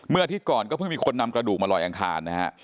อาทิตย์ก่อนก็เพิ่งมีคนนำกระดูกมาลอยอังคารนะฮะ